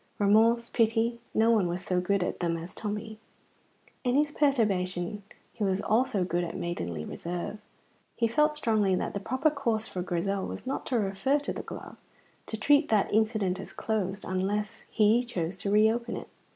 Remorse, pity, no one was so good at them as Tommy. In his perturbation he was also good at maidenly reserve. He felt strongly that the proper course for Grizel was not to refer to the glove to treat that incident as closed, unless he chose to reopen it.